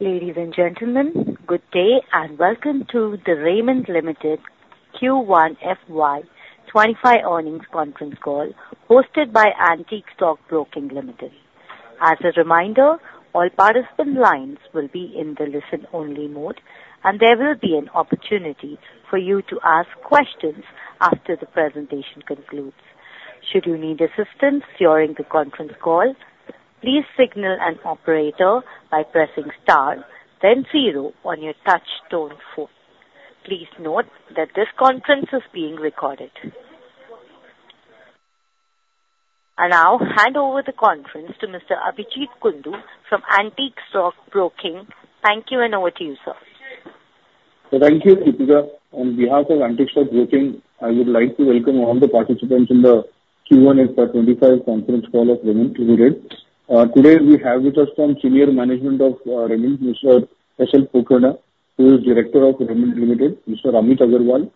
Ladies and gentlemen, good day, and welcome to the Raymond Limited Q1 FY25 earnings conference call, hosted by Antique Stock Broking Limited. As a reminder, all participant lines will be in the listen-only mode, and there will be an opportunity for you to ask questions after the presentation concludes. Should you need assistance during the conference call, please signal an operator by pressing Star, then Zero on your touch tone phone. Please note that this conference is being recorded. I now hand over the conference to Mr. Abhijeet Kundu from Antique Stock Broking. Thank you, and over to you, sir. Thank you, Deepika. On behalf of Antique Stock Broking, I would like to welcome all the participants in the Q1 FY25 conference call of Raymond Limited. Today, we have with us from senior management of Raymond, Mr. S.L. Pokharna, who is Director of Raymond Limited, Mr. Amit Agarwal,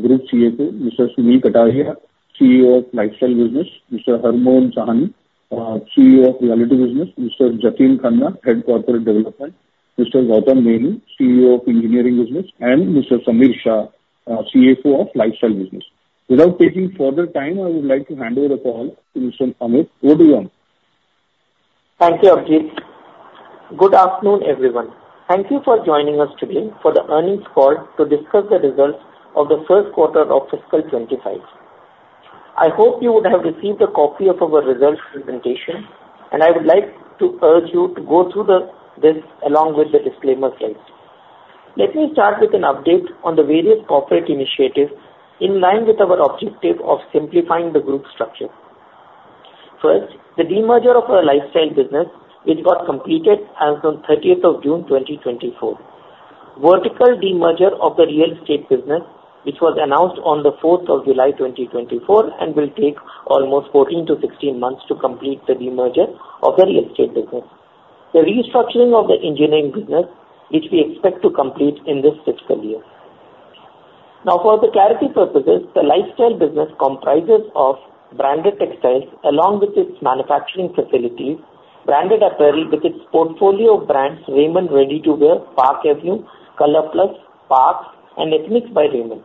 Group CFO, Mr. Sunil Kataria, CEO of Lifestyle Business, Mr. Harmohan Sahni, CEO of Realty Business, Mr. Jatin Khanna, Head Corporate Development, Mr. Gautam Maini, CEO of Engineering Business, and Mr. Sameer Shah, CFO of Lifestyle Business. Without taking further time, I would like to hand over the call to Mr. Amit. Over to you. Thank you, Abhijeet. Good afternoon, everyone. Thank you for joining us today for the earnings call to discuss the results of the first quarter of fiscal 2025. I hope you would have received a copy of our results presentation, and I would like to urge you to go through this along with the disclaimer slide. Let me start with an update on the various corporate initiatives in line with our objective of simplifying the group structure. First, the demerger of our lifestyle business, which got completed as on 30th of June, 2024. Vertical demerger of the real estate business, which was announced on the 4th of July, 2024, and will take almost 14-16 months to complete the demerger of the real estate business. The restructuring of the engineering business, which we expect to complete in this fiscal year. Now, for the clarity purposes, the lifestyle business comprises of branded textiles along with its manufacturing facilities, branded apparel with its portfolio of brands, Raymond Ready to Wear, Park Avenue, ColorPlus, Parx, and Ethnix by Raymond.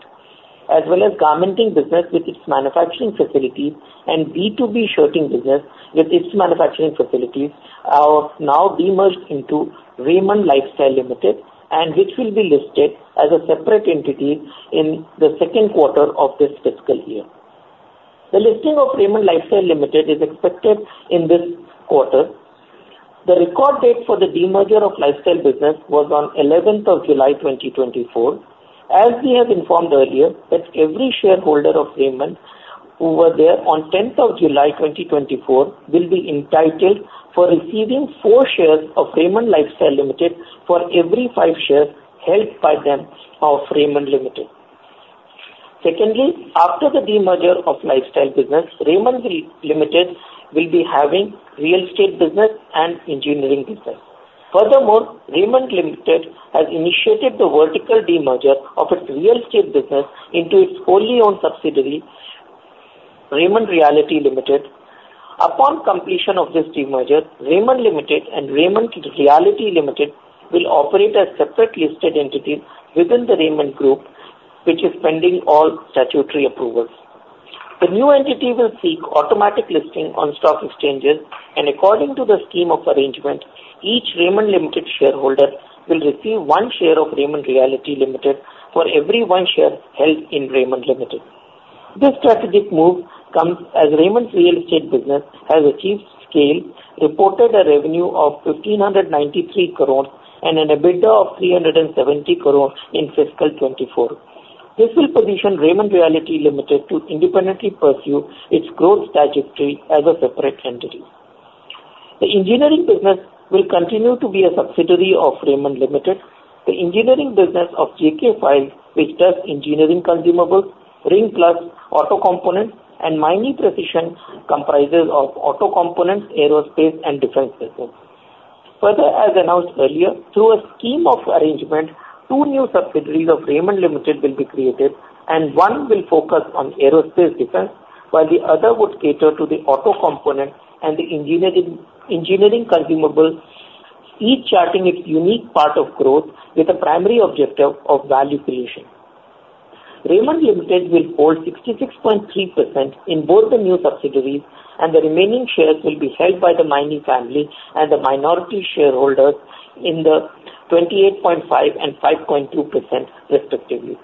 As well as garmenting business with its manufacturing facilities and B2B shirting business with its manufacturing facilities are now demerged into Raymond Lifestyle Limited, and which will be listed as a separate entity in the second quarter of this fiscal year. The listing of Raymond Lifestyle Limited is expected in this quarter. The record date for the demerger of Lifestyle Business was on eleventh of July, 2024. As we have informed earlier, that every shareholder of Raymond who were there on tenth of July, 2024, will be entitled for receiving 4 shares of Raymond Lifestyle Limited for every 5 shares held by them of Raymond Limited. Secondly, after the demerger of Lifestyle Business, Raymond Limited will be having real estate business and engineering business. Furthermore, Raymond Limited has initiated the vertical demerger of its real estate business into its wholly owned subsidiary, Raymond Realty Limited. Upon completion of this demerger, Raymond Limited and Raymond Realty Limited will operate as separate listed entities within the Raymond Group, which is pending all statutory approvals. The new entity will seek automatic listing on stock exchanges, and according to the scheme of arrangement, each Raymond Limited shareholder will receive one share of Raymond Realty Limited for every one share held in Raymond Limited. This strategic move comes as Raymond's real estate business has achieved scale, reported a revenue of 1,593 crore, and an EBITDA of 370 crore in fiscal 2024. This will position Raymond Realty Limited to independently pursue its growth trajectory as a separate entity. The engineering business will continue to be a subsidiary of Raymond Limited. The engineering business of JK Files, which does engineering consumables, Ring Plus Aqua auto components, and Maini Precision, comprises of auto components, aerospace, and defense systems. Further, as announced earlier, through a scheme of arrangement, two new subsidiaries of Raymond Limited will be created, and one will focus on aerospace and defense, while the other would cater to the auto component and the engineering, engineering consumables, each charting its unique path of growth with the primary objective of value creation. Raymond Limited will hold 66.3% in both the new subsidiaries, and the remaining shares will be held by the Maini family and the minority shareholders in the 28.5% and 5.2% respectively.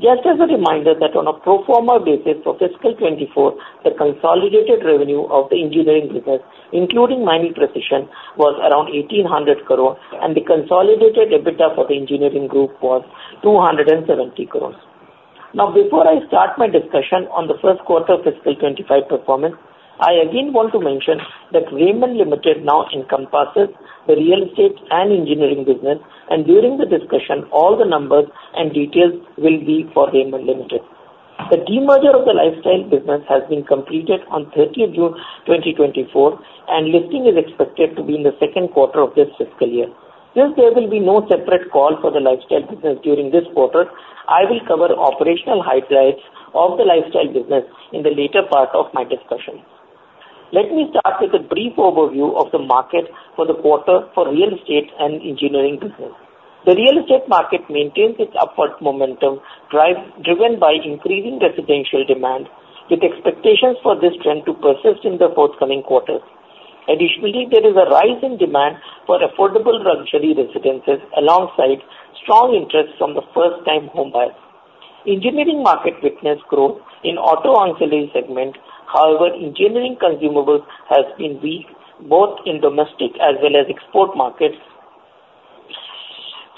Just as a reminder, that on a pro forma basis for fiscal 2024, the consolidated revenue of the engineering business, including Maini Precision, was around 1,800 crore, and the consolidated EBITDA for the engineering group was 270 crore. Now, before I start my discussion on the first quarter fiscal 2025 performance, I again want to mention that Raymond Limited now encompasses the real estate and engineering business, and during the discussion, all the numbers and details will be for Raymond Limited. The demerger of the lifestyle business has been completed on thirtieth June, 2024, and listing is expected to be in the second quarter of this fiscal year. Since there will be no separate call for the lifestyle business during this quarter, I will cover operational highlights of the lifestyle business in the later part of my discussion. Let me start with a brief overview of the market for the quarter for real estate and engineering business. The real estate market maintains its upward momentum, driven by increasing residential demand, with expectations for this trend to persist in the forthcoming quarters. Additionally, there is a rise in demand for affordable luxury residences alongside strong interest from the first-time home buyers. Engineering market witnessed growth in auto ancillary segment, however, engineering consumables has been weak both in domestic as well as export markets.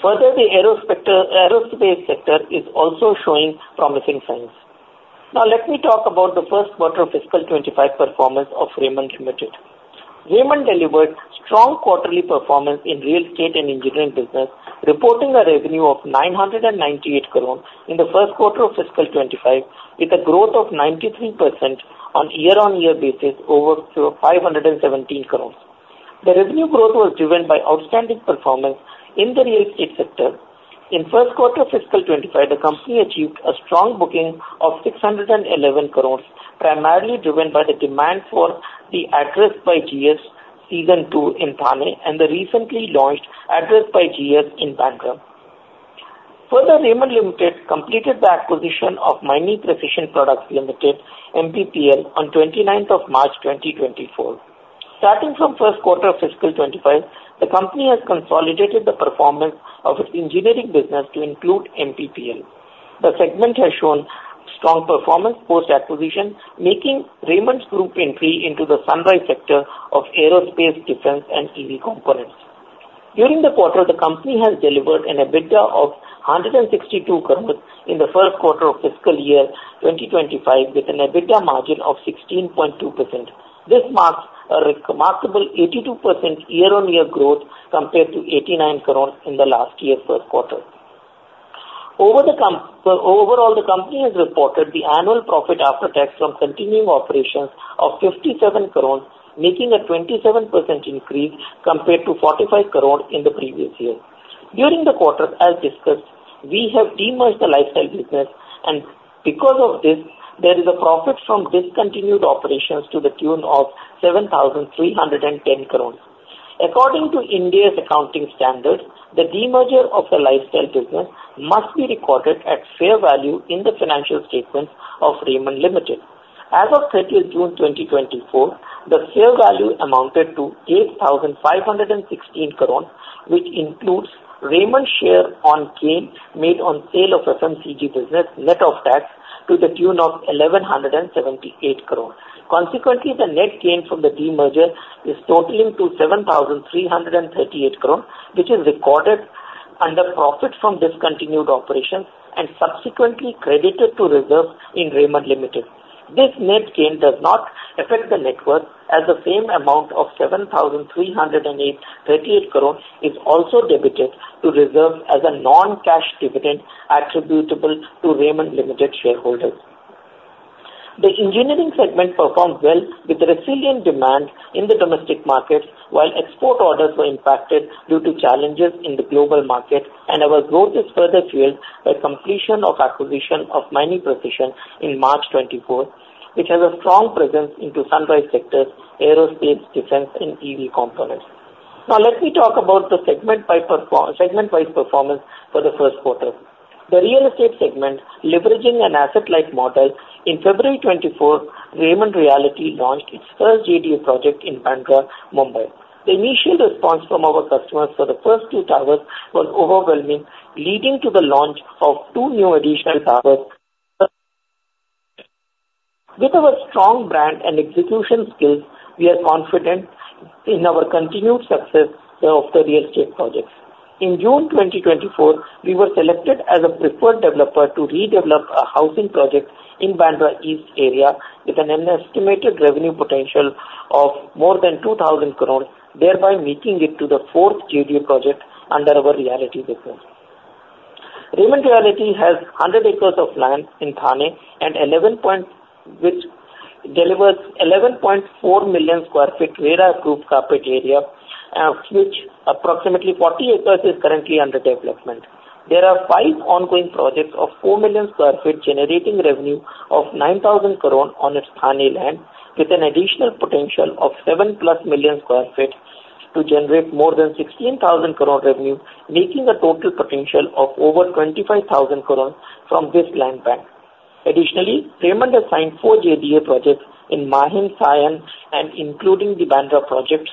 Further, the aerospace sector is also showing promising signs. Now let me talk about the first quarter of fiscal 2025 performance of Raymond Limited. Raymond delivered strong quarterly performance in real estate and engineering business, reporting a revenue of 998 crore in the first quarter of fiscal 2025, with a growth of 93% on year-on-year basis over 517 crore. The revenue growth was driven by outstanding performance in the real estate sector. In first quarter fiscal 2025, the company achieved a strong booking of 611 crore, primarily driven by the demand for the Address by GS Season 2 in Thane and the recently launched Address by GS in Bandra. Further, Raymond Limited completed the acquisition of Maini Precision Products Limited, MPPL, on twenty-ninth of March, 2024. Starting from first quarter fiscal 2025, the company has consolidated the performance of its engineering business to include MPPL. The segment has shown strong performance post-acquisition, making Raymond's Group entry into the sunrise sector of aerospace, defense, and EV components. During the quarter, the company has delivered an EBITDA of 162 crores in the first quarter of fiscal year 2025, with an EBITDA margin of 16.2%. This marks a remarkable 82% year-on-year growth compared to 89 crore in the last year first quarter. So overall, the company has reported the annual profit after tax from continuing operations of 57 crores, making a 27% increase compared to 45 crore in the previous year. During the quarter, as discussed, we have demerged the lifestyle business, and because of this, there is a profit from discontinued operations to the tune of 7,310 crores. According to India's accounting standards, the demerger of the lifestyle business must be recorded at fair value in the financial statements of Raymond Limited. As of 30th June 2024, the fair value amounted to 8,516 crore, which includes Raymond's share on gain made on sale of FMCG business, net of tax, to the tune of 1,178 crore. Consequently, the net gain from the demerger is totaling to 7,338 crore, which is recorded under profit from discontinued operations and subsequently credited to reserve in Raymond Limited. This net gain does not affect the net worth, as the same amount of 7,338 crore is also debited to reserve as a non-cash dividend attributable to Raymond Limited shareholders. The engineering segment performed well with resilient demand in the domestic markets, while export orders were impacted due to challenges in the global market, and our growth is further fueled by completion of acquisition of Maini Precision in March 2024, which has a strong presence into sunrise sectors, aerospace, defense, and EV components. Now, let me talk about the segment-wise performance for the first quarter. The real estate segment, leveraging an asset-light model, in February 2024, Raymond Realty launched its first JDA project in Bandra, Mumbai. The initial response from our customers for the first two towers was overwhelming, leading to the launch of two new additional towers. With our strong brand and execution skills, we are confident in our continued success of the real estate projects. In June 2024, we were selected as a preferred developer to redevelop a housing project in Bandra East area with an estimated revenue potential of more than 2,000 crore, thereby making it to the fourth JDA project under our Realty business. Raymond Realty has 100 acres of land in Thane and eleven point, which delivers 11.4 million sq ft RERA approved carpet area, which approximately 40 acres is currently under development. There are five ongoing projects of 4 million sq ft, generating revenue of 9,000 crore on its Thane land, with an additional potential of 7+ million sq ft to generate more than 16,000 crore revenue, making a total potential of over 25,000 crore from this land bank. Additionally, Raymond has signed four JDA projects in Mahim, Sion and including the Bandra projects.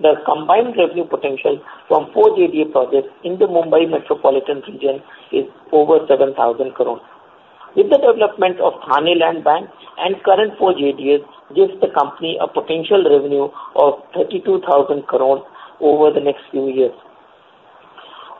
The combined revenue potential from four JDA projects in the Mumbai metropolitan region is over 7,000 crore. With the development of Thane Land Bank and current four JDAs, gives the company a potential revenue of 32,000 crore over the next few years.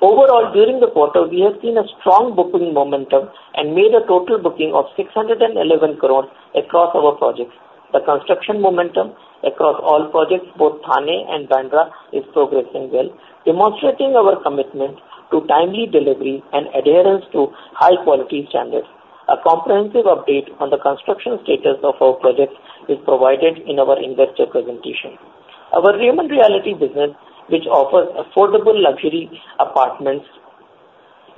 Overall, during the quarter, we have seen a strong booking momentum and made a total booking of 611 crore across our projects. The construction momentum across all projects, both Thane and Bandra, is progressing well, demonstrating our commitment to timely delivery and adherence to high quality standards. A comprehensive update on the construction status of our projects is provided in our investor presentation. Our Raymond Realty business, which offers affordable luxury apartments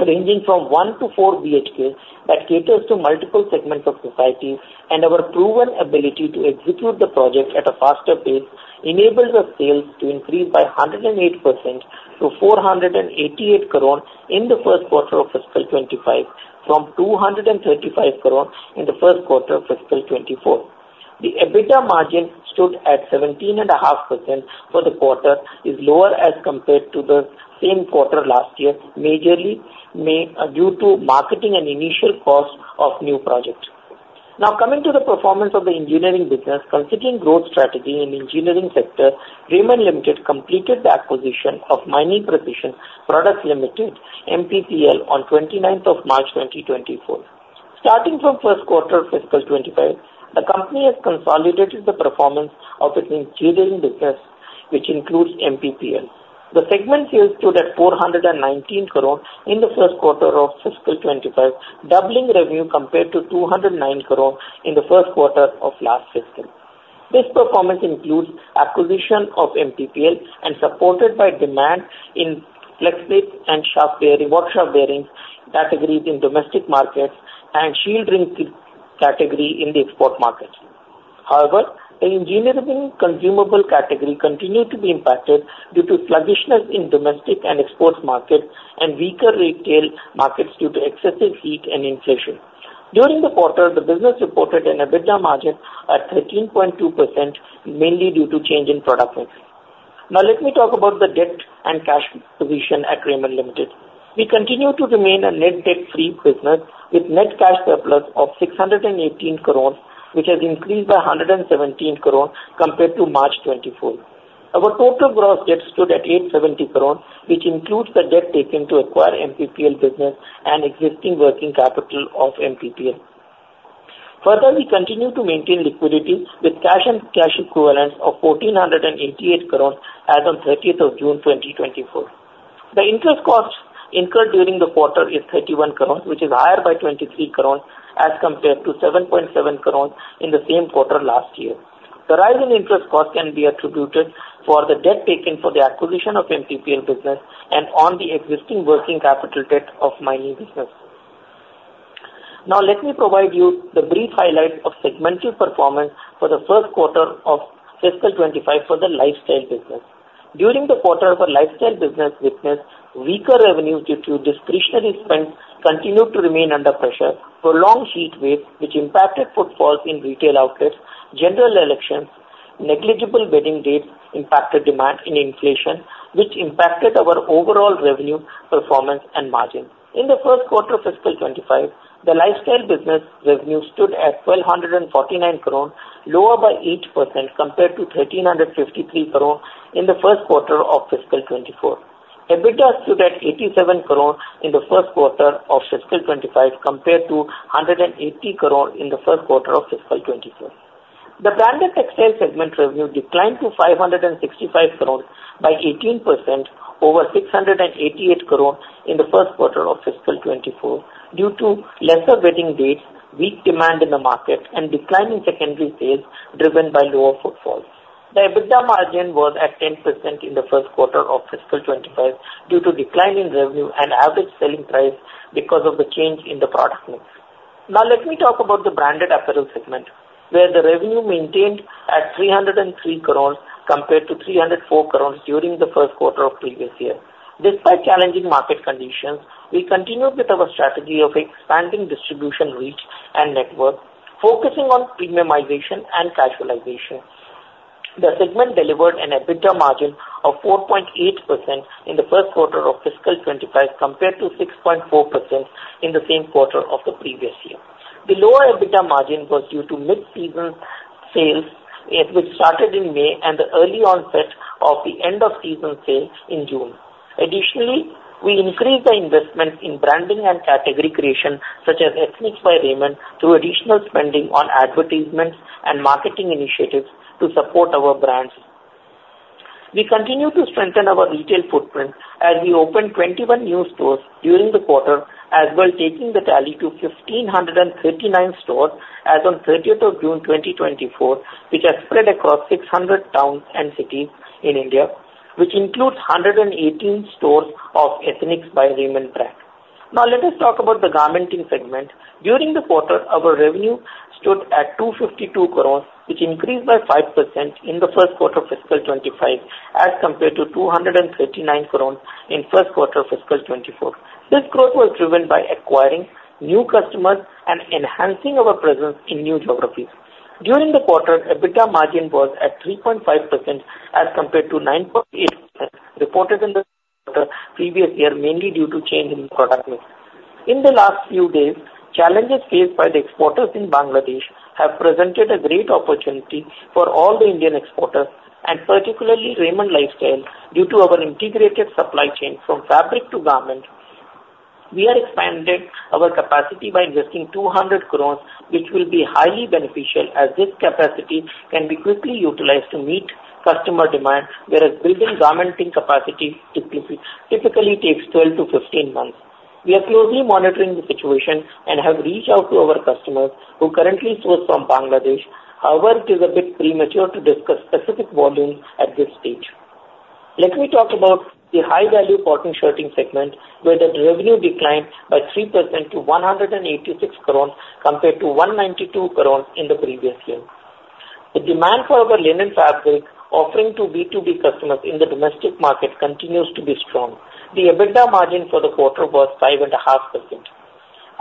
ranging from 1-4 BHK that caters to multiple segments of society, and our proven ability to execute the project at a faster pace enables our sales to increase by 108% to 488 crore in the first quarter of fiscal 2025, from 235 crore in the first quarter of fiscal 2024. The EBITDA margin stood at 17.5% for the quarter, is lower as compared to the same quarter last year, majorly made due to marketing and initial cost of new projects. Now, coming to the performance of the engineering business. Considering growth strategy in the engineering sector, Raymond Limited completed the acquisition of Maini Precision Products Limited, MPPL, on twenty-ninth of March 2024. Starting from first quarter fiscal 2025, the company has consolidated the performance of its engineering business, which includes MPPL. The segment sales stood at 419 crore in the first quarter of fiscal 2025, doubling revenue compared to 209 crore in the first quarter of last fiscal. This performance includes acquisition of MPPL and supported by demand in flexplates and shaft bearing, workshop bearings categories in domestic markets and shielding category in the export markets. However, the engineering consumable category continued to be impacted due to sluggishness in domestic and export markets and weaker retail markets due to excessive heat and inflation. During the quarter, the business reported an EBITDA margin at 13.2%, mainly due to change in product mix. Now let me talk about the debt and cash position at Raymond Limited. We continue to remain a net debt-free business, with net cash surplus of 618 crore, which has increased by 117 crore compared to March 2024. Our total gross debt stood at 870 crore, which includes the debt taken to acquire MPPL business and existing working capital of MPPL. Further, we continue to maintain liquidity with cash and cash equivalents of 1,488 crore as on thirtieth of June, 2024. The interest costs incurred during the quarter is 31 crore, which is higher by 23 crore as compared to 7.7 crore in the same quarter last year. The rise in interest cost can be attributed for the debt taken for the acquisition of MPPL business and on the existing working capital debt of Maini business. Now, let me provide you the brief highlights of segmental performance for the first quarter of fiscal 2025 for the lifestyle business. During the quarter, our lifestyle business witnessed weaker revenue due to discretionary spend continued to remain under pressure, prolonged heat wave, which impacted footfalls in retail outlets, general elections, negligible wedding dates impacted demand and inflation, which impacted our overall revenue performance and margin. In the first quarter of fiscal 2025, the lifestyle business revenue stood at 1,249 crore, lower by 8% compared to 1,353 crore in the first quarter of fiscal 2024. EBITDA stood at 87 crore in the first quarter of fiscal 2025, compared to 180 crore in the first quarter of fiscal 2024. The branded textile segment revenue declined to 565 crore by 18% over 688 crore in the first quarter of fiscal 2024, due to lesser wedding dates, weak demand in the market and declining secondary sales driven by lower footfalls. The EBITDA margin was at 10% in the first quarter of fiscal 2025 due to decline in revenue and average selling price because of the change in the product mix. Now, let me talk about the branded apparel segment, where the revenue maintained at 303 crores compared to 304 crores during the first quarter of previous year. Despite challenging market conditions, we continued with our strategy of expanding distribution reach and network, focusing on premiumization and casualization. The segment delivered an EBITDA margin of 4.8% in the first quarter of fiscal 2025, compared to 6.4% in the same quarter of the previous year. The lower EBITDA margin was due to mid-season sales, which started in May and the early onset of the end of season sales in June. Additionally, we increased the investment in branding and category creation, such as Ethnics by Raymond, through additional spending on advertisements and marketing initiatives to support our brands. We continue to strengthen our retail footprint as we opened 21 new stores during the quarter, as well, taking the tally to 1,539 stores as on 30th of June, 2024, which are spread across 600 towns and cities in India, which includes 118 stores of Ethnics by Raymond brand. Now, let us talk about the garmenting segment. During the quarter, our revenue stood at 252 crore, which increased by 5% in the first quarter of fiscal 2025, as compared to 239 crore in first quarter of fiscal 2024. This growth was driven by acquiring new customers and enhancing our presence in new geographies. During the quarter, EBITDA margin was at 3.5% as compared to 9.8% reported in the previous year, mainly due to change in product mix. In the last few days, challenges faced by the exporters in Bangladesh have presented a great opportunity for all the Indian exporters, and particularly Raymond Lifestyle, due to our integrated supply chain from fabric to garment. We have expanded our capacity by investing 200 crore, which will be highly beneficial as this capacity can be quickly utilized to meet customer demand, whereas building garmenting capacity typically takes 12-15 months. We are closely monitoring the situation and have reached out to our customers who currently source from Bangladesh. However, it is a bit premature to discuss specific volumes at this stage. Let me talk about the High-Value Cotton Shirting segment, where the revenue declined by 3% to 186 crore, compared to 192 crore in the previous year. The demand for our linen fabric offering to B2B customers in the domestic market continues to be strong. The EBITDA margin for the quarter was 5.5%.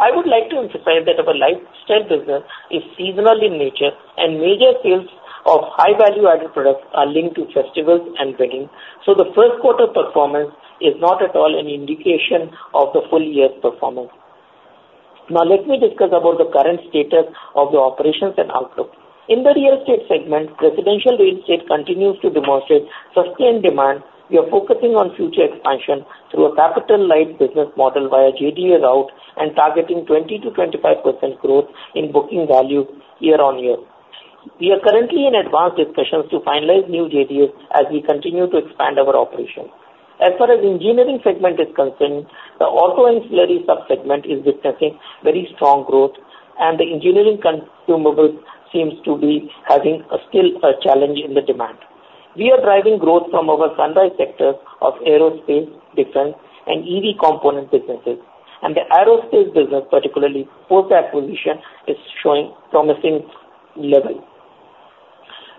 I would like to emphasize that our lifestyle business is seasonal in nature, and major sales of high-value added products are linked to festivals and weddings, so the first quarter performance is not at all an indication of the full year's performance. Now, let me discuss about the current status of the operations and outlook. In the real estate segment, residential real estate continues to demonstrate sustained demand. We are focusing on future expansion through a capital-light business model via JDA route and targeting 20%-25% growth in booking value year-on-year. We are currently in advanced discussions to finalize new JDAs as we continue to expand our operation. As far as engineering segment is concerned, the auto ancillary sub-segment is witnessing very strong growth, and the engineering consumables seems to be having still a challenge in the demand. We are driving growth from our sunrise sectors of aerospace, defense, and EV component businesses, and the aerospace business, particularly post acquisition, is showing promising level.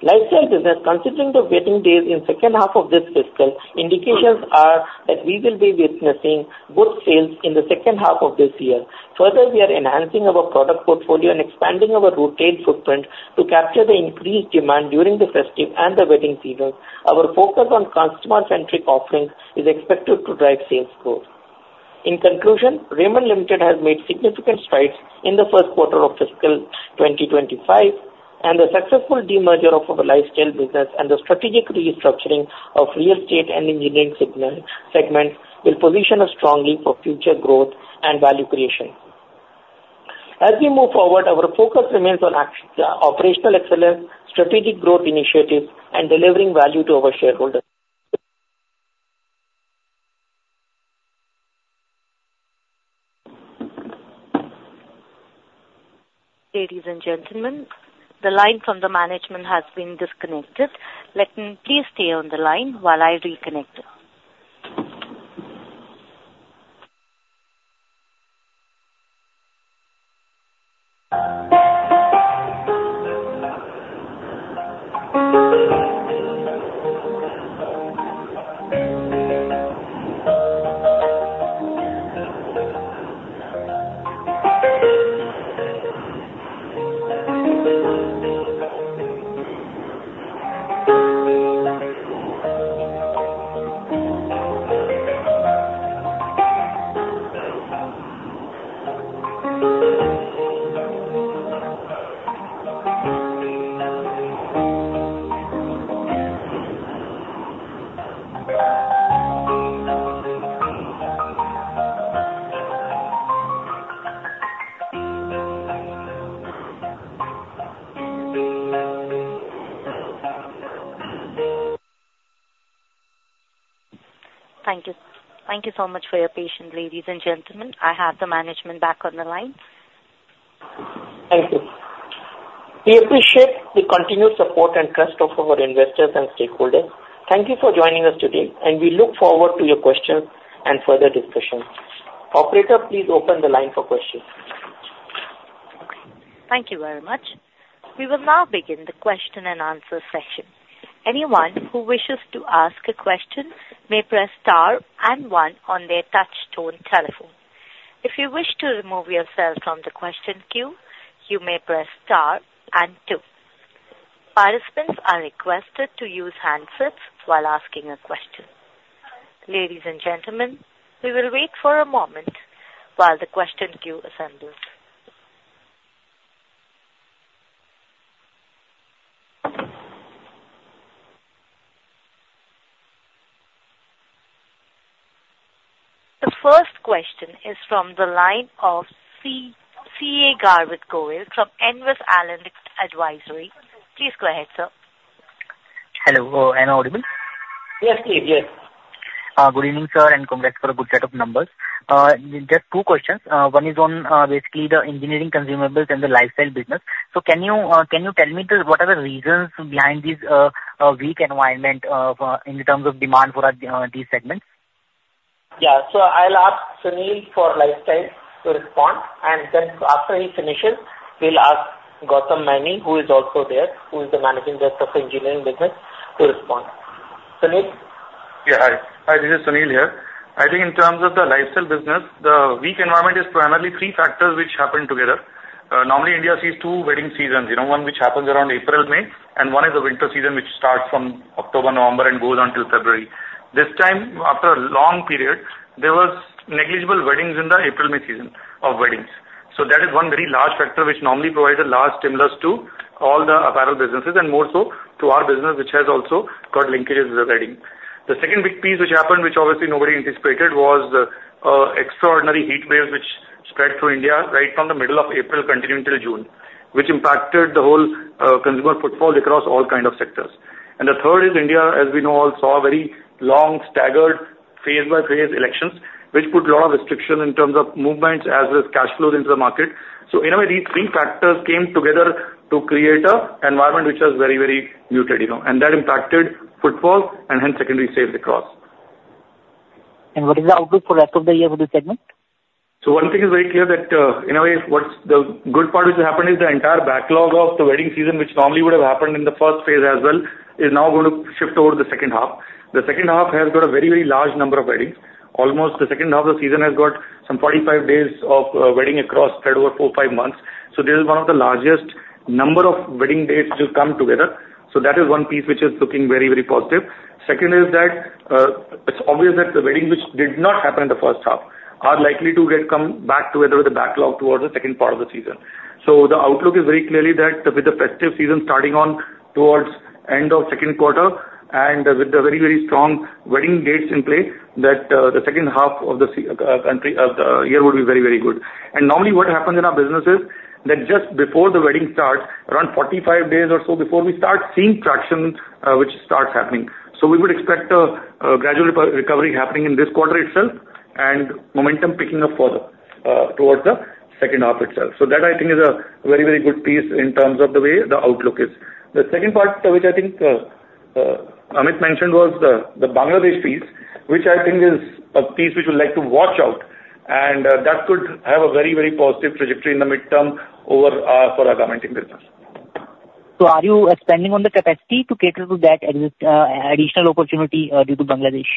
Lifestyle business, considering the wedding days in second half of this fiscal, indications are that we will be witnessing good sales in the second half of this year. Further, we are enhancing our product portfolio and expanding our retail footprint to capture the increased demand during the festive and the wedding season. Our focus on customer-centric offerings is expected to drive sales growth. In conclusion, Raymond Limited has made significant strides in the first quarter of fiscal 2025, and the successful demerger of our lifestyle business and the strategic restructuring of real estate and engineering segment will position us strongly for future growth and value creation. As we move forward, our focus remains on accelerating operational excellence, strategic growth initiatives, and delivering value to our shareholders. Ladies and gentlemen, the line from the management has been disconnected. Let me. Please stay on the line while I reconnect them. Thank you. Thank you so much for your patience, ladies and gentlemen. I have the management back on the line. Thank you. We appreciate the continued support and trust of our investors and stakeholders. Thank you for joining us today, and we look forward to your questions and further discussions. Operator, please open the line for questions. Thank you very much. We will now begin the question and answer section. Anyone who wishes to ask a question may press star and one on their touchtone telephone. If you wish to remove yourself from the question queue, you may press star and two. Participants are requested to use handsets while asking a question. Ladies and gentlemen, we will wait for a moment while the question queue assembles. The first question is from the line of CA Garvit Goyal from Nvest Analytics Advisory. Please go ahead, sir. Hello. Am I audible? Yes, please. Yes. Good evening, sir, and congrats for a good set of numbers. Just two questions. One is on, basically the engineering consumables and the lifestyle business. So can you, can you tell me the, what are the reasons behind this, weak environment, in terms of demand for, these segments? Yeah. So I'll ask Sunil for Lifestyle to respond, and then after he finishes, we'll ask Gautam Maini, who is also there, who is the Managing Director of engineering business, to respond. Sunil? Yeah, hi. Hi, this is Sunil here. I think in terms of the lifestyle business, the weak environment is primarily three factors which happen together. Normally, India sees two wedding seasons, you know, one which happens around April, May, and one is the winter season, which starts from October, November and goes on till February. This time, after a long period, there was negligible weddings in the April, May season of weddings. So that is one very large factor which normally provides a large stimulus to all the apparel businesses and more so to our business, which has also got linkages with the wedding. The second big piece which happened, which obviously nobody anticipated, was the extraordinary heat waves which spread through India right from the middle of April, continuing till June, which impacted the whole consumer footfall across all kind of sectors. And the third is India, as we know, all saw very long, staggered, phase-by-phase elections, which put a lot of restriction in terms of movements as with cash flows into the market. So in a way, these three factors came together to create an environment which was very, very muted, you know, and that impacted footfall, and hence, secondly, sales across. What is the outlook for rest of the year for this segment? So one thing is very clear that, in a way, what's the good part which happened is the entire backlog of the wedding season, which normally would have happened in the first phase as well, is now going to shift over to the second half. The second half has got a very, very large number of weddings. Almost the second half of the season has got some 45 days of wedding across, spread over 4-5 months. So this is one of the largest number of wedding dates which come together. So that is one piece which is looking very, very positive. Second is that, it's obvious that the weddings which did not happen in the first half are likely to come back together with a backlog towards the second part of the season. So the outlook is very clearly that with the festive season starting on towards end of second quarter, and with the very, very strong wedding dates in place, that the second half of the year will be very, very good. And normally, what happens in our business is, that just before the wedding starts, around 45 days or so before, we start seeing traction, which starts happening. So we would expect a gradual recovery happening in this quarter itself and momentum picking up further towards the second half itself. So that, I think, is a very, very good piece in terms of the way the outlook is. The second part, which I think Amit mentioned, was the Bangladesh piece, which I think is a piece which we would like to watch out, and that could have a very, very positive trajectory in the midterm over for our garmenting business. Are you expanding on the capacity to cater to that existing additional opportunity due to Bangladesh?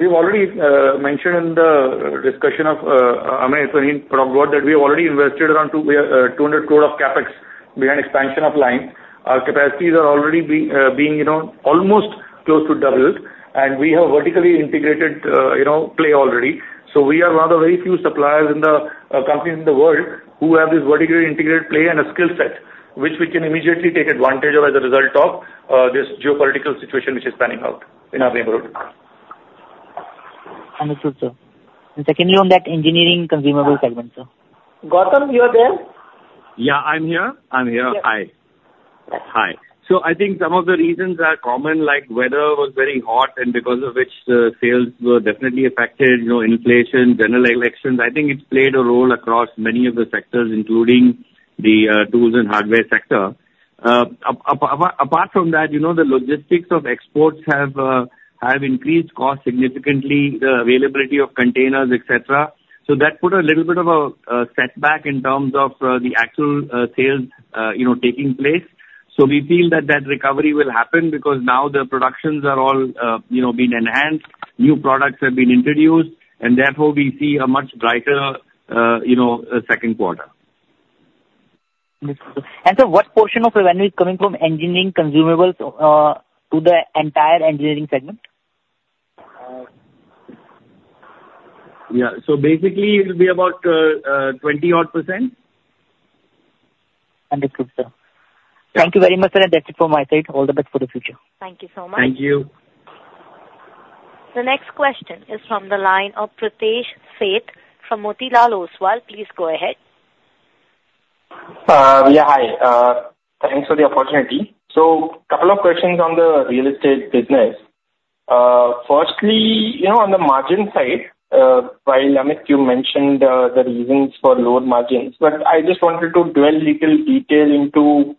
We've already mentioned in the discussion of Amit, I mean, from what that we have already invested around 200 crore of CapEx behind expansion of line. Our capacities are already being, you know, almost close to doubled, and we have vertically integrated, you know, play already. So we are one of the very few suppliers in the companies in the world who have this vertically integrated play and a skill set, which we can immediately take advantage of as a result of this geopolitical situation, which is panning out in our neighborhood. Understood, sir. Secondly, on that engineering consumable segment, sir. Gautam, you are there? Yeah, I'm here. I'm here. Yeah. Hi. Hi. So I think some of the reasons are common, like weather was very hot, and because of which the sales were definitely affected, you know, inflation, general elections. I think it's played a role across many of the sectors, including the tools and hardware sector. Apart from that, you know, the logistics of exports have increased costs significantly, the availability of containers, et cetera. So that put a little bit of a setback in terms of the actual sales, you know, taking place. So we feel that that recovery will happen because now the productions are all, you know, being enhanced, new products have been introduced, and therefore we see a much brighter, you know, second quarter. Understood. What portion of revenue is coming from engineering consumables to the entire engineering segment? Yeah. So basically, it'll be about 20 odd %. Understood, sir. Yeah. Thank you very much, sir, and that's it from my side. All the best for the future. Thank you so much. Thank you. The next question is from the line of Pritesh Sheth from Motilal Oswal. Please go ahead. Yeah, hi. Thanks for the opportunity. So couple of questions on the real estate business. Firstly, you know, on the margin side, while Amit, you mentioned the reasons for lower margins, but I just wanted to dwell little detail into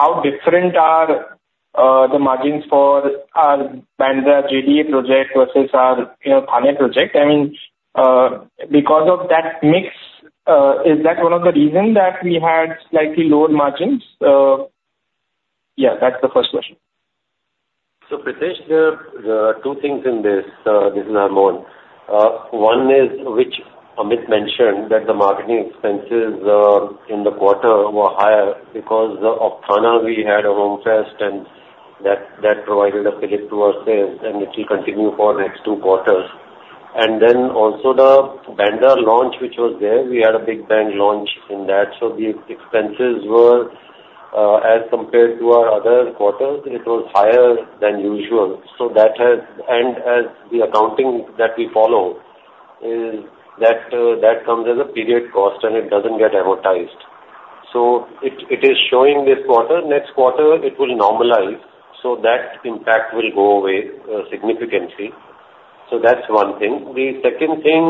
how different are the margins for our Bandra JDA project versus our, you know, Thane project. I mean, because of that mix, is that one of the reasons that we had slightly lower margins? Yeah, that's the first question. So, Pritesh, there, there are two things in this. This is Raymond. One is, which Amit mentioned, that the marketing expenses in the quarter were higher because of Thane, we had a home fest, and that, that provided a fillip to our sales, and it will continue for next two quarters. And then also the Bandra launch, which was there, we had a big brand launch in that. So the expenses were, as compared to our other quarters, it was higher than usual. So that has... And as the accounting that we follow is that, that comes as a period cost and it doesn't get amortized. So it, it is showing this quarter. Next quarter, it will normalize, so that impact will go away, significantly. So that's one thing. The second thing,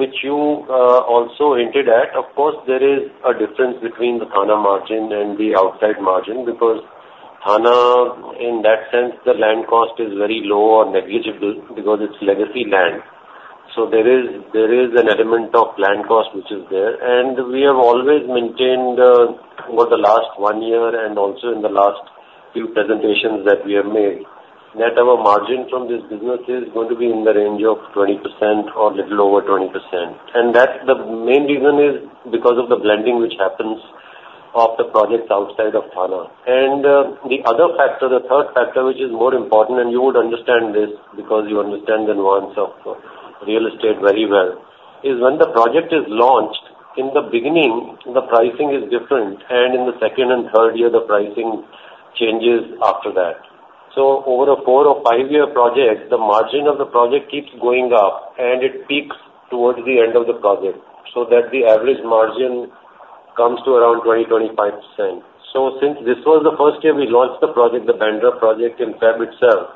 which you also hinted at, of course, there is a difference between the Thane margin and the outside margin, because Thane, in that sense, the land cost is very low or negligible because it's legacy land. So there is, there is an element of land cost, which is there. And we have always maintained, over the last one year and also in the last few presentations that we have made, that our margin from this business is going to be in the range of 20% or little over 20%. And that's the main reason is because of the blending which happens of the projects outside of Thane. And, the other factor, the third factor, which is more important, and you would understand this because you understand the nuance of real estate very well, is when the project is launched, in the beginning, the pricing is different, and in the second and third year, the pricing changes after that. So over a four or five-year project, the margin of the project keeps going up, and it peaks towards the end of the project. So that the average margin comes to around 20-25%. So since this was the first year we launched the project, the Bandra project, in February itself,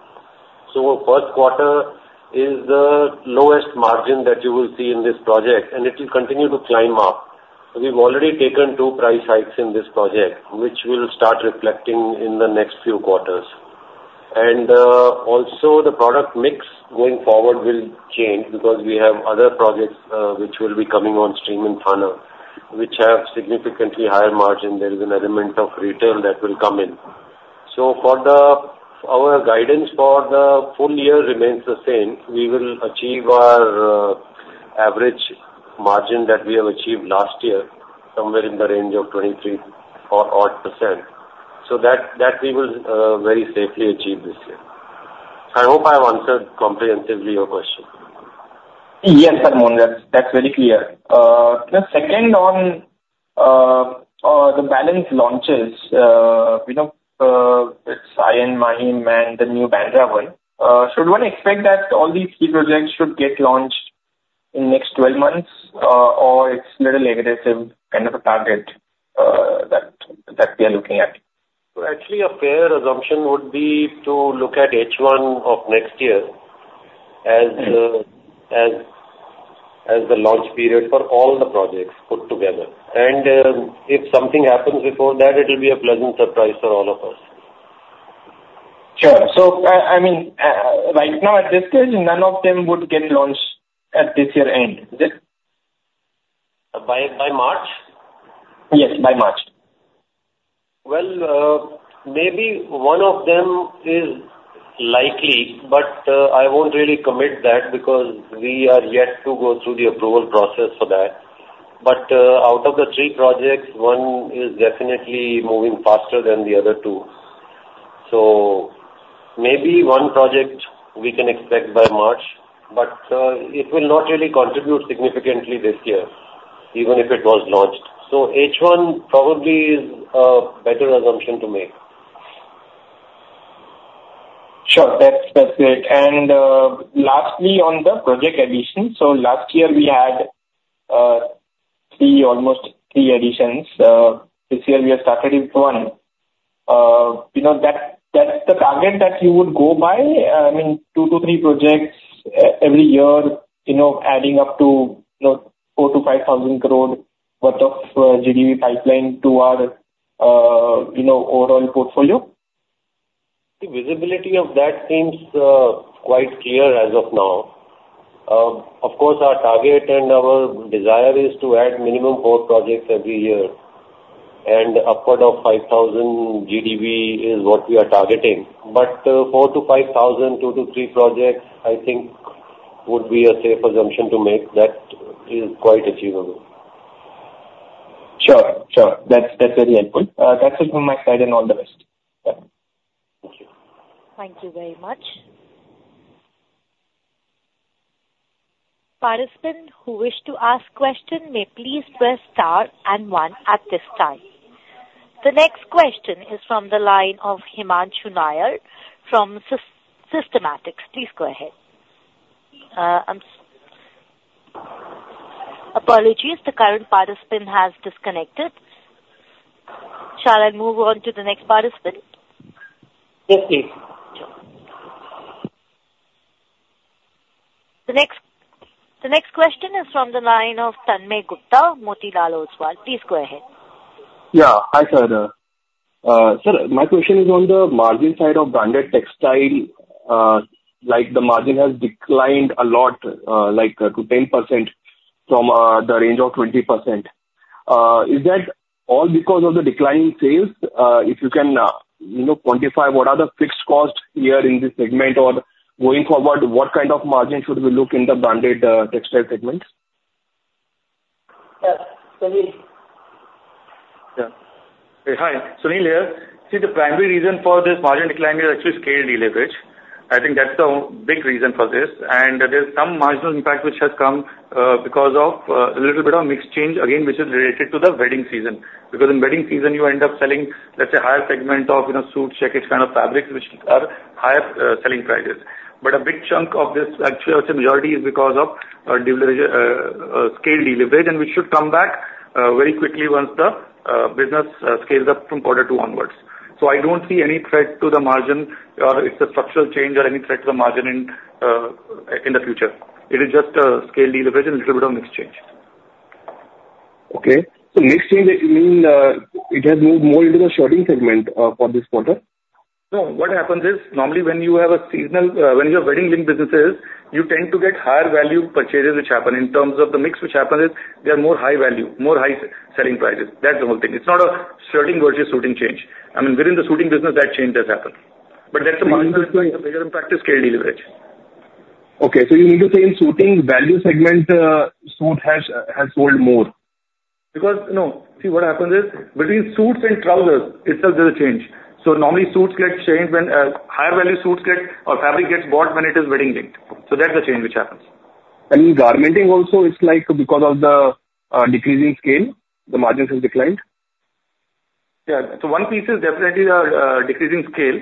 so first quarter is the lowest margin that you will see in this project, and it will continue to climb up. We've already taken two price hikes in this project, which will start reflecting in the next few quarters. Also, the product mix going forward will change because we have other projects, which will be coming on stream in Thane, which have significantly higher margin. There is an element of retail that will come in. So our guidance for the full year remains the same. We will achieve our average margin that we have achieved last year, somewhere in the range of 23 or odd %. So that we will very safely achieve this year. I hope I have answered comprehensively your question. Yes, sir, Mohan, that's, that's very clear. The second one on the balance launches, you know, it's Sion, Mahim and the new Bandra one. Should one expect that all these three projects should get launched in next 12 months, or it's little aggressive kind of a target that we are looking at? So actually, a fair assumption would be to look at H1 of next year as the- Mm. as the launch period for all the projects put together. And, if something happens before that, it will be a pleasant surprise for all of us. Sure. So I mean, right now, at this stage, none of them would get launched at this year end, is it? By March? Yes, by March. Well, maybe one of them is likely, but, I won't really commit that because we are yet to go through the approval process for that. But, out of the three projects, one is definitely moving faster than the other two. So maybe one project we can expect by March, but, it will not really contribute significantly this year, even if it was launched. So H1 probably is a better assumption to make. Sure. That's, that's it. And, lastly, on the project addition. So last year, we had, three, almost three additions. This year we have started with one. You know, that, that's the target that you would go by? I mean, 2-3 projects every year, you know, adding up to, you know, 4,000-5,000 crore worth of GDV pipeline to our, overall portfolio. The visibility of that seems quite clear as of now. Of course, our target and our desire is to add minimum 4 projects every year, and upward of 5,000 GDV is what we are targeting. But, 4,000-5,000, 2-3 projects, I think would be a safe assumption to make. That is quite achievable. Sure. Sure. That's, that's very helpful. That's it from my side, and all the best. Bye. Thank you. Thank you very much. Participants who wish to ask question may please press Star and One at this time. The next question is from the line of Himanshu Nayyer from Systematix. Please go ahead. Apologies, the current participant has disconnected. Shall I move on to the next participant? Yes, please. The next question is from the line of Tanmay Gupta, Motilal Oswal. Please go ahead. Yeah. Hi, sir. Sir, my question is on the margin side of branded textile. Like, the margin has declined a lot, like, to 10% from the range of 20%. Is that all because of the decline in sales? If you can, you know, quantify what are the fixed costs here in this segment or going forward, what kind of margin should we look in the branded textile segment? Yeah. Sunil? Yeah. Hi, Sunil here. See, the primary reason for this margin decline is actually scale deleverage. I think that's the big reason for this. And there's some marginal impact which has come because of a little bit of mix change, again, which is related to the wedding season. Because in wedding season, you end up selling, let's say, higher segment of, you know, suits, jackets, kind of fabrics, which are higher selling prices. But a big chunk of this, actually, I would say majority, is because of deleverage, scale deleverage, and we should come back very quickly once the business scales up from quarter two onwards. So I don't see any threat to the margin, or it's a structural change or any threat to the margin in the future. It is just a scale deleverage and a little bit of mix change. Okay. So mix change, you mean, it has moved more into the shirting segment, for this quarter? No, what happens is, normally when you have a seasonal, when you have wedding link businesses, you tend to get higher value purchases which happen. In terms of the mix which happens is, they are more high value, more high selling prices. That's the whole thing. It's not a shirting versus suiting change. I mean, within the suiting business, that change has happened. But that's the margin- Okay. In practice, scale deleverage. Okay, so you mean to say in suiting value segment, suit has, has sold more? No. See, what happens is, between suits and trousers, itself there's a change. So normally, suits get changed when higher value suits get or fabric gets bought when it is wedding linked. So that's the change which happens. In garmenting also, it's like because of the decreasing scale, the margins have declined? Yeah, so one piece is definitely our decreasing scale,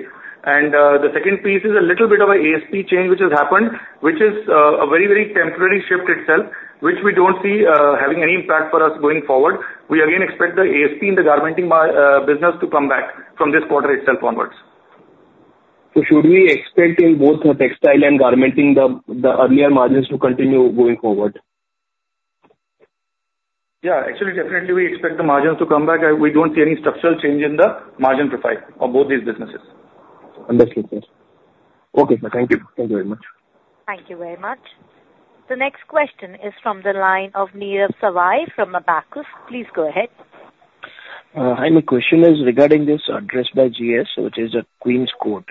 and the second piece is a little bit of a ASP change which has happened, which is a very, very temporary shift itself, which we don't see having any impact for us going forward. We again expect the ASP in the garmenting business to come back from this quarter itself onwards. So should we expect in both the textile and garmenting the earlier margins to continue going forward? Yeah, actually, definitely we expect the margins to come back. We don't see any structural change in the margin profile on both these businesses. Understood, sir. Okay, sir, thank you. Thank you very much. Thank you very much. The next question is from the line of Nirav Savai from Abakkus. Please go ahead. Hi. My question is regarding The Address by GS, which is at Queens Court.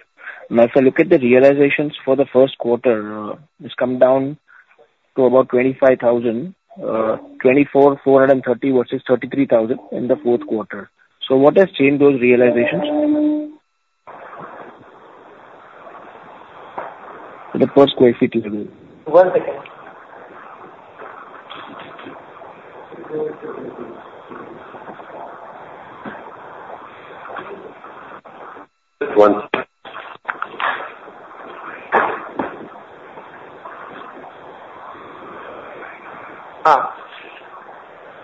Now, if I look at the realizations for the first quarter, it's come down to about 25,000, 24,430 versus 33,000 in the fourth quarter. So what has changed those realizations? The per sq ft. One second.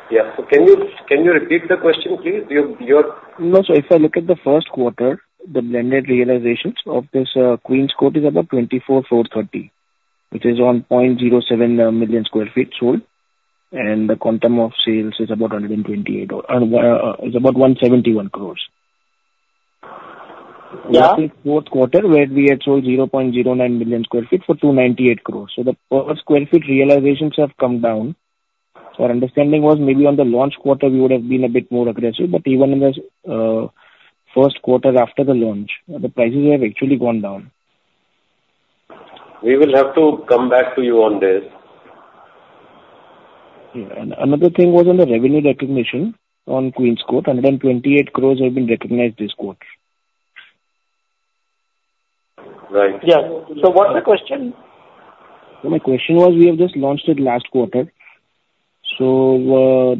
Yeah. So can you, can you repeat the question, please? Your, your- No, so if I look at the first quarter, the blended realizations of this Queens Court is about 24,430, which is on 0.07 million sq ft sold, and the quantum of sales is about 171 crore. Yeah. Fourth quarter, where we had sold 0.09 million sq ft for 298 crore. So the per square feet realizations have come down. So our understanding was maybe on the launch quarter, we would have been a bit more aggressive, but even in the first quarter after the launch, the prices have actually gone down. We will have to come back to you on this. Yeah. And another thing was on the revenue recognition on Queens Court. 128 crore have been recognized this quarter. Right. Yeah. So what's the question? So my question was, we have just launched it last quarter. So,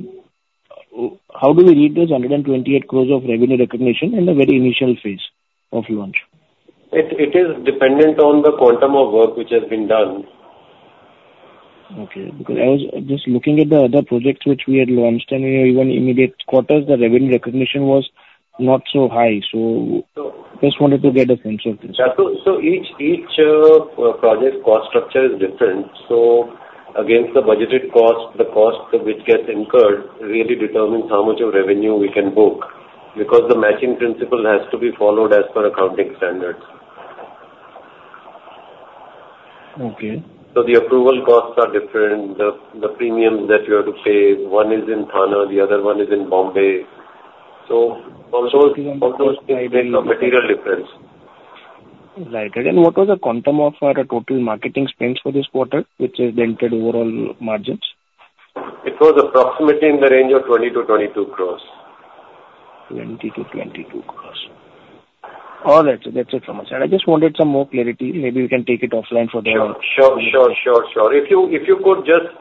how do we read this 128 crore of revenue recognition in the very initial phase of launch? It is dependent on the quantum of work which has been done. Okay. Because I was just looking at the other projects which we had launched, and in even immediate quarters, the revenue recognition was not so high. So- So- Just wanted to get a sense of this. Yeah. So each project cost structure is different. So against the budgeted cost, the cost which gets incurred really determines how much of revenue we can book, because the matching principle has to be followed as per accounting standards. Okay. So the approval costs are different. The premiums that you have to pay, one is in Thane, the other one is in Bombay. So all those things make a material difference. Right. And then what was the quantum of our total marketing spends for this quarter, which has dented overall margins? It was approximately in the range of 20 crore-22 crore. 20-22 crores. All right, so that's it from my side. I just wanted some more clarity. Maybe you can take it offline for that one. Sure, sure, sure, sure. If you, if you could just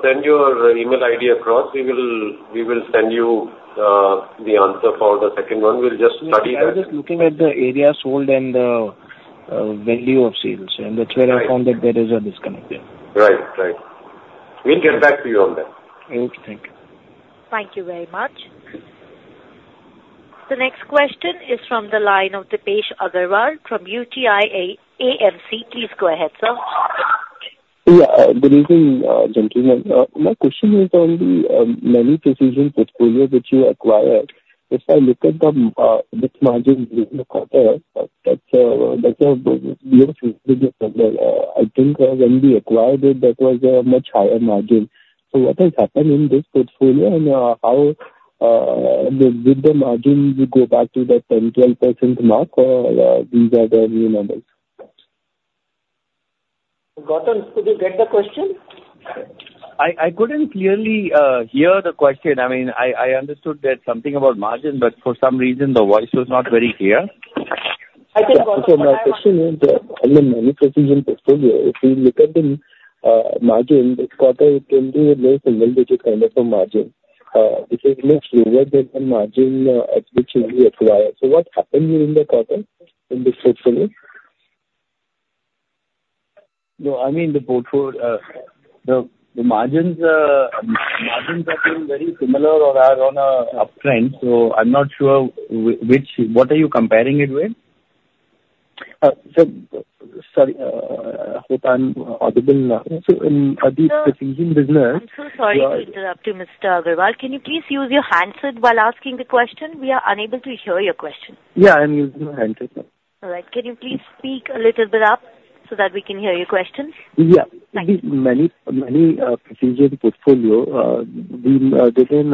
send your email ID across, we will, we will send you the answer for the second one. We'll just study that. I was just looking at the areas sold and value of sales, and that's where- Right. I found that there is a disconnect there. Right. Right. We'll get back to you on that. Okay. Thank you. Thank you very much. The next question is from the line of Deepesh Agarwal from UTI AMC. Please go ahead, sir. Yeah, good evening, gentlemen. My question is on the Maini Precision portfolio which you acquired. If I look at this margin this quarter, that's a, that's a beautiful quarter. I think, when we acquired it, that was a much higher margin. So what has happened in this portfolio, and how did the margin go back to the 10%-12% mark, or these are the new numbers? Gautam, could you get the question? I, I couldn't clearly hear the question. I mean, I, I understood that something about margin, but for some reason the voice was not very clear. I think- So my question is, on the Maini Precision portfolio, if you look at the margin this quarter, it can be a low single digit kind of a margin, which is much lower than the margin which we acquired. So what happened during the quarter in this portfolio? No, I mean, the portfolio, the margins are still very similar or are on a uptrend, so I'm not sure which. What are you comparing it with? So, sorry, hope I'm audible now. So in the precision business- Sir, I'm so sorry to interrupt you, Mr. Agarwal. Can you please use your handset while asking the question? We are unable to hear your question. Yeah, I'm using my handset now. All right. Can you please speak a little bit up so that we can hear your question? Yeah. Thank you. Maini Precision portfolio, we've taken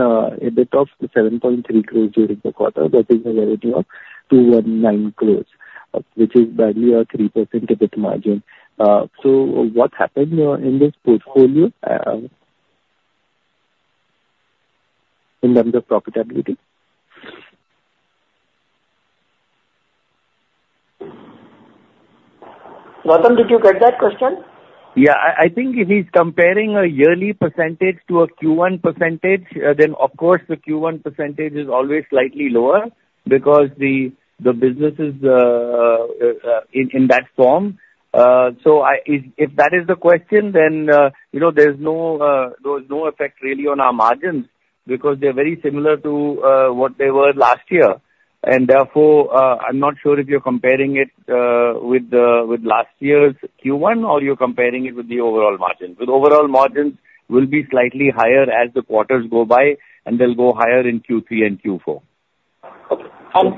EBITDA of 7.3 crores during the quarter. That is a value added of 29 crores, which is barely a 3% EBITDA margin. So what happened in this portfolio in terms of profitability? Gautam, did you get that question? Yeah, I think if he's comparing a yearly percentage to a Q1 percentage, then, of course, the Q1 percentage is always slightly lower because the business is in that form. So if that is the question, then, you know, there's no effect really on our margins, because they're very similar to what they were last year. And therefore, I'm not sure if you're comparing it with last year's Q1 or you're comparing it with the overall margins. But overall margins will be slightly higher as the quarters go by, and they'll go higher in Q3 and Q4. Okay. And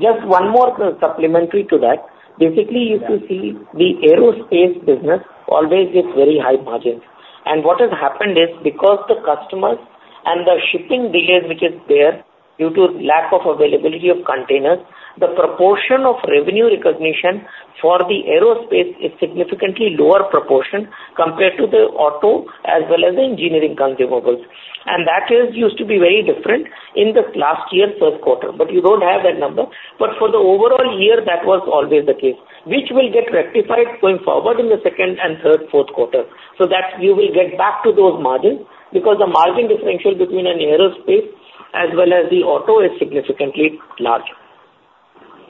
just one more supplementary to that. Basically, if you see the aerospace business always gets very high margins. And what has happened is, because the customers and the shipping delay which is there, due to lack of availability of containers, the proportion of revenue recognition for the aerospace is significantly lower proportion compared to the auto, as well as the engineering consumables. And that is used to be very different in the last year, first quarter, but you don't have that number. But for the overall year, that was always the case, which will get rectified going forward in the second and third, fourth quarter, so that you will get back to those margins. Because the margin differential between an aerospace as well as the auto is significantly large.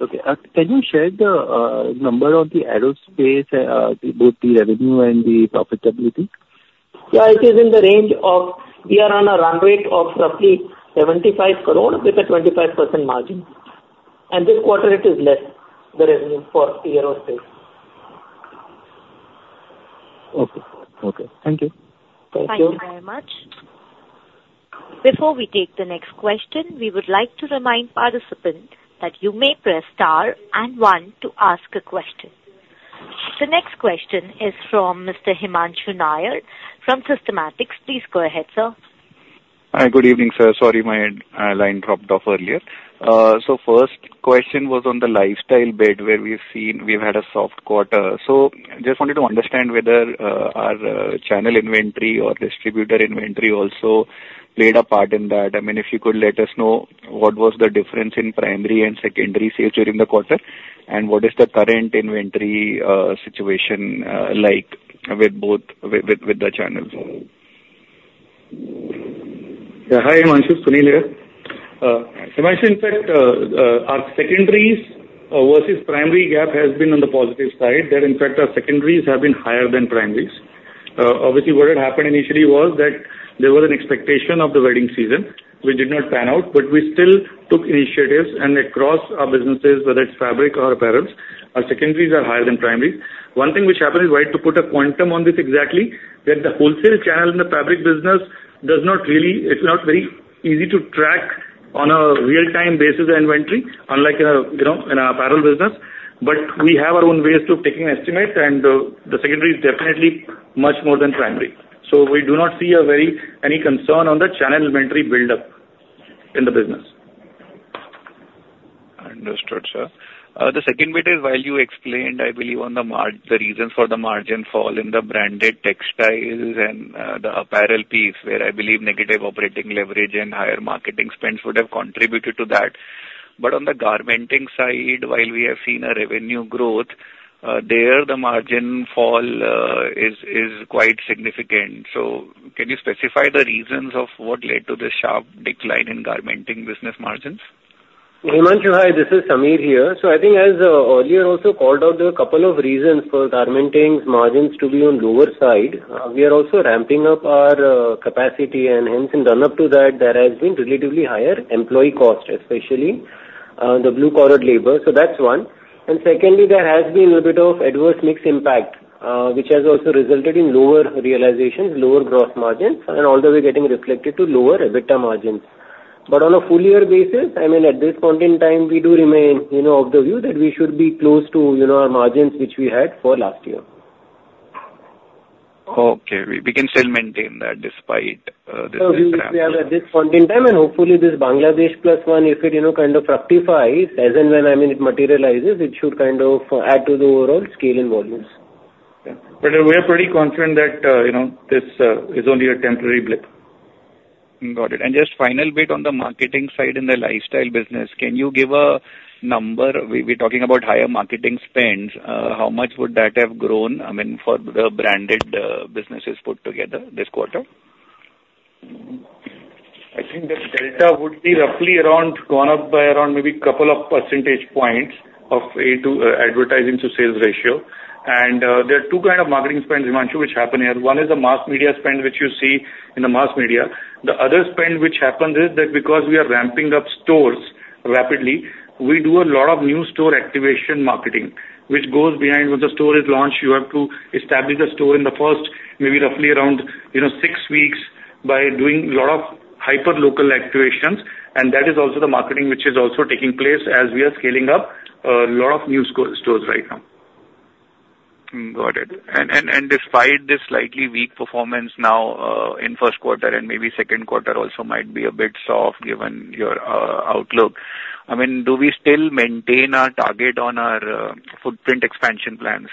Okay. Can you share the number of the aerospace both the revenue and the profitability? Yeah, it is in the range of, we are on a run rate of roughly 75 crore with a 25% margin. And this quarter it is less, the revenue for the aerospace. Okay. Okay. Thank you. Thank you. Thank you very much. Before we take the next question, we would like to remind participants that you may press star and one to ask a question. The next question is from Mr. Himanshu Nayyer from Systematix. Please go ahead, sir. Hi, good evening, sir. Sorry, my line dropped off earlier. So first question was on the lifestyle bit, where we've seen we've had a soft quarter. So just wanted to understand whether our channel inventory or distributor inventory also played a part in that. I mean, if you could let us know, what was the difference in primary and secondary sales during the quarter? And what is the current inventory situation like with both with the channels? Yeah, hi, Himanshu. Sunil here. Himanshu, in fact, our secondaries versus primary gap has been on the positive side. There, in fact, our secondaries have been higher than primaries. Obviously, what had happened initially was that there was an expectation of the wedding season, which did not pan out. But we still took initiatives, and across our businesses, whether it's fabric or apparels, our secondaries are higher than primaries. One thing which happened is, why to put a quantum on this exactly, that the wholesale channel in the fabric business does not really, it's not very easy to track on a real-time basis the inventory, unlike in a, you know, in our apparel business. But we have our own ways to taking estimate, and, the secondary is definitely much more than primary. So we do not see any concern on the channel inventory buildup in the business. Understood, sir. The second bit is, while you explained, I believe, on the margin, the reason for the margin fall in the branded textiles and the apparel piece, where I believe negative operating leverage and higher marketing spends would have contributed to that. But on the garmenting side, while we have seen a revenue growth there, the margin fall is quite significant. So can you specify the reasons of what led to the sharp decline in garmenting business margins? Himanshu, hi, this is Sameer here. So I think as earlier also called out, there are a couple of reasons for Garmenting margins to be on lower side. We are also ramping up our capacity and hence in run-up to that, there has been relatively higher employee cost, especially the blue-collar labor. So that's one. And secondly, there has been a bit of adverse mix impact, which has also resulted in lower realizations, lower gross margins, and all the way getting reflected to lower EBITDA margins. But on a full year basis, I mean, at this point in time, we do remain, you know, of the view that we should be close to, you know, our margins which we had for last year. Okay. We can still maintain that despite this- We have, at this point in time, and hopefully this Bangladesh plus one, if it, you know, kind of rectifies, as and when, I mean, it materializes, it should kind of add to the overall scale and volumes. Yeah. But we are pretty confident that, you know, this, is only a temporary blip. Got it. And just final bit on the marketing side in the lifestyle business, can you give a number? We're talking about higher marketing spends. How much would that have grown, I mean, for the branded businesses put together this quarter? I think the delta would be roughly around, gone up by around maybe couple of percentage points of A-to-S, advertising to sales ratio. And there are two kinds of marketing spends, Himanshu, which happen here. One is the mass media spend, which you see in the mass media. The other spend which happens is that because we are ramping up stores rapidly, we do a lot of new store activation marketing, which goes behind... When the store is launched, you have to establish a store in the first, maybe roughly around, you know, six weeks by doing lot of hyper local activations, and that is also the marketing, which is also taking place as we are scaling up a lot of new stores right now. Got it. And despite this slightly weak performance now in first quarter and maybe second quarter also might be a bit soft, given your outlook, I mean, do we still maintain our target on our footprint expansion plans?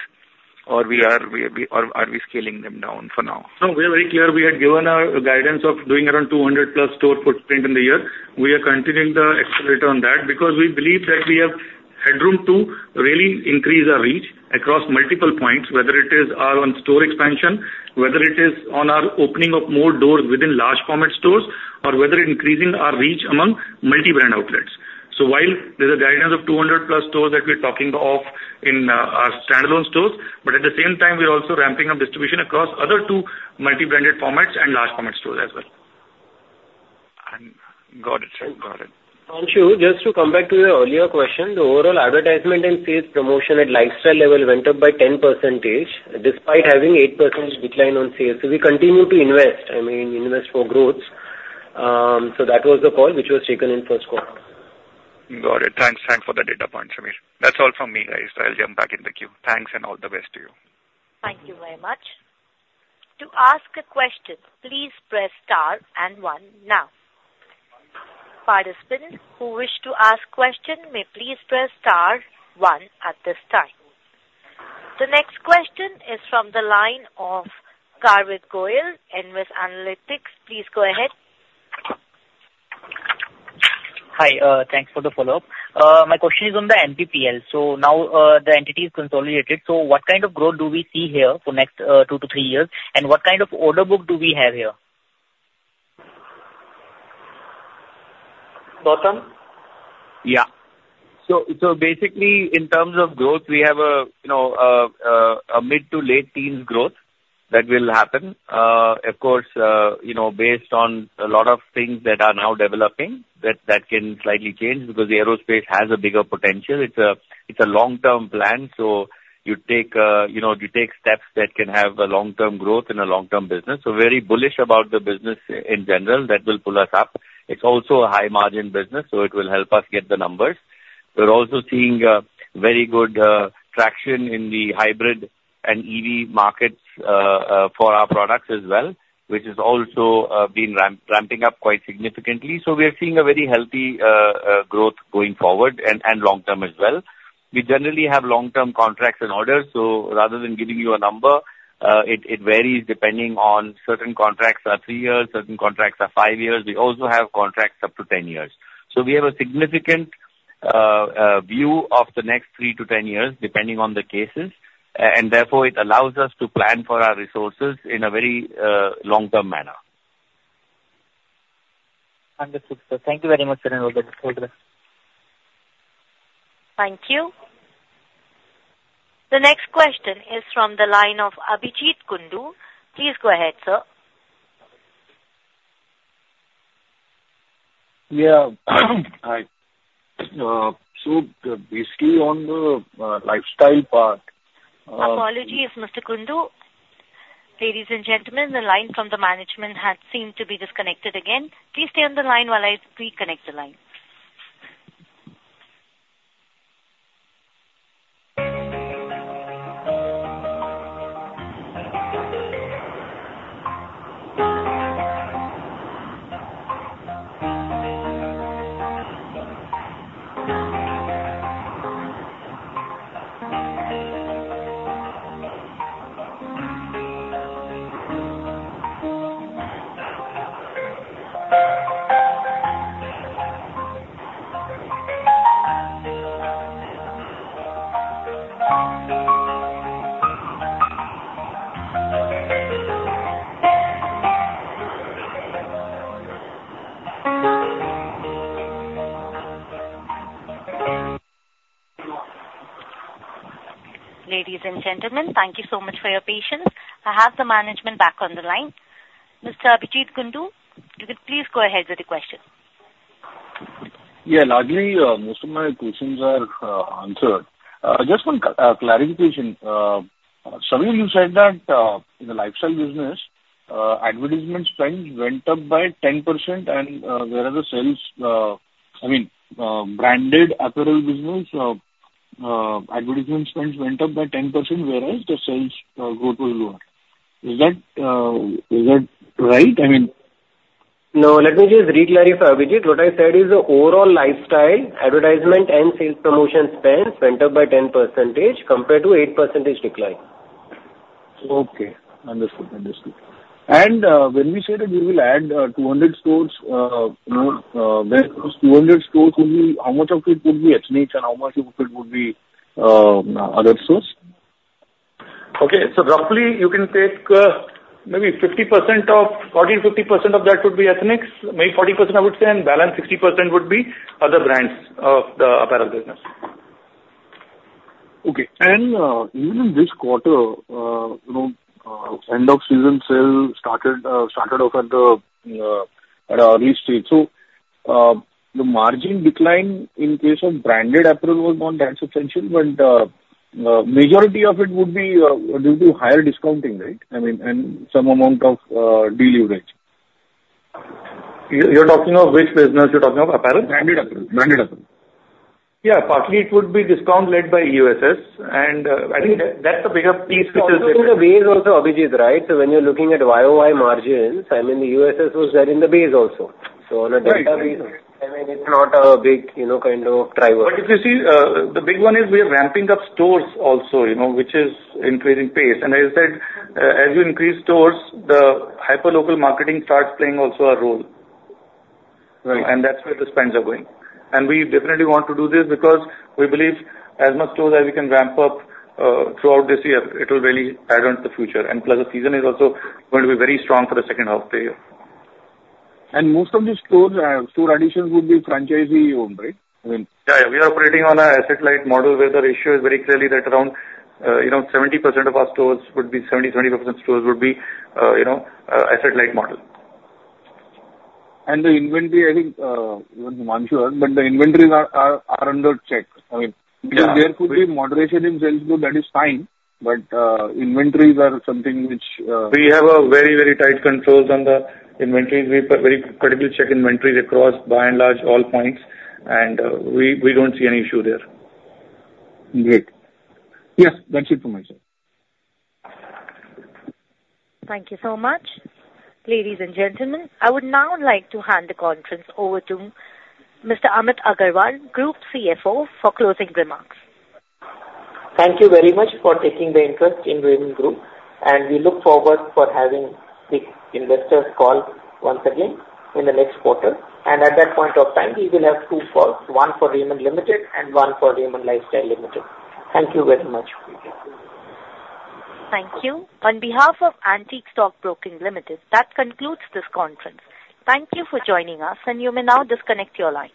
Or are we scaling them down for now? No, we are very clear. We had given our guidance of doing around 200+ store footprint in the year. We are continuing the accelerator on that, because we believe that we have headroom to really increase our reach across multiple points, whether it is our on store expansion, whether it is on our opening of more doors within large format stores, or whether increasing our reach among multi-brand outlets. So while there's a guidance of 200+ stores that we're talking of in, our standalone stores, but at the same time, we're also ramping up distribution across other two multi-branded formats and large format stores as well. Got it, sir. Got it. Himanshu, just to come back to your earlier question, the overall advertisement and sales promotion at lifestyle level went up by 10%, despite having 8% decline on sales. So we continue to invest, I mean, invest for growth. So that was the call which was taken in first quarter. Got it. Thanks. Thanks for the data point, Sameer. That's all from me, guys. I'll jump back in the queue. Thanks, and all the best to you. Thank you very much. To ask a question, please press Star and One now. Participants who wish to ask question may please press Star One at this time. The next question is from the line of Garvit Goyal, Nvest Analytics Advisory. Please go ahead. Hi, thanks for the follow-up. My question is on the MPPL. So now, the entity is consolidated, so what kind of growth do we see here for next, two to three years? And what kind of order book do we have here? Gautam? Yeah. So, basically, in terms of growth, we have a, you know, a mid to late teens growth that will happen. Of course, you know, based on a lot of things that are now developing, that can slightly change because the aerospace has a bigger potential. It's a long-term plan, so you take, you know, you take steps that can have a long-term growth in a long-term business. So very bullish about the business in general, that will pull us up. It's also a high margin business, so it will help us get the numbers. We're also seeing very good traction in the hybrid and EV markets for our products as well, which has also been ramping up quite significantly. So we are seeing a very healthy growth going forward and long term as well. We generally have long-term contracts and orders, so rather than giving you a number, it varies depending on certain contracts are 3 years, certain contracts are 5 years. We also have contracts up to 10 years. So we have a significant view of the next 3 to 10 years, depending on the cases, and therefore, it allows us to plan for our resources in a very long-term manner. Understood, sir. Thank you very much, and all the best. Thank you. The next question is from the line of Abhijeet Kundu. Please go ahead, sir. Yeah. Hi, so basically on the lifestyle part, Apologies, Mr. Kundu. Ladies and gentlemen, the line from the management has seemed to be disconnected again. Please stay on the line while I reconnect the line. Ladies and gentlemen, thank you so much for your patience. I have the management back on the line. Mr. Abhijeet Kundu, you can please go ahead with your question. Yeah, largely, most of my questions are answered. Just one clarification. Sameer, you said that in the lifestyle business, advertisement spend went up by 10%, and whereas the sales, I mean, branded apparel business, advertisement spends went up by 10%, whereas the sales growth was lower. Is that right? I mean. No, let me just re-clarify, Abhijeet. What I said is the overall lifestyle, advertisement and sales promotion spend went up by 10% compared to 8% decline. Okay. Understood. Understood. And, when we say that we will add 200 stores, you know, where those 200 stores will be, how much of it would be ethnics and how much of it would be other stores? Okay. So roughly you can take maybe 40%-50% of that would be ethnics, maybe 40%, I would say, and balance 60% would be other brands of the apparel business. Okay. Even this quarter, you know, end of season sales started off at early stage. So, the margin decline in case of branded apparel was not that substantial, but majority of it would be due to higher discounting, right? I mean, and some amount of deal outage. You, you're talking of which business? You're talking of apparel? Branded Apparel. Branded Apparel. Yeah, partly it would be discount led by EOSS, and, I think that's the bigger piece which is- Also the base, Abhijeet, right? So when you're looking at YOY margins, I mean, the U.S. dollar was there in the base also. Right. So on a database, I mean, it's not a big, you know, kind of driver. If you see, the big one is we are ramping up stores also, you know, which is increasing pace. As you said, as you increase stores, the hyper local marketing starts playing also a role. Right. That's where the spends are going. We definitely want to do this because we believe as much stores as we can ramp up throughout this year, it will really add on to the future. Plus, the season is also going to be very strong for the second half of the year. Most of the stores, store additions would be franchisee-owned, right? I mean... Yeah, yeah, we are operating on an asset-light model, where the ratio is very clearly right around, you know, 70% of our stores would be, 70, 20% stores would be, you know, asset-light model. The inventory, I think, I'm not sure, but the inventories are under check. I mean- Yeah. There could be moderation in sales, so that is fine, but inventories are something which, We have a very, very tight controls on the inventories. We very critically check inventories across, by and large, all points, and we don't see any issue there. Great. Yes, that's it from my side. Thank you so much. Ladies and gentlemen, I would now like to hand the conference over to Mr. Amit Agarwal, Group CFO, for closing remarks. Thank you very much for taking the interest in Raymond Group, and we look forward for having the investors call once again in the next quarter. At that point of time, we will have two calls, one for Raymond Limited and one for Raymond Lifestyle Limited. Thank you very much. Thank you. On behalf of Antique Stock Broking Limited, that concludes this conference. Thank you for joining us, and you may now disconnect your line.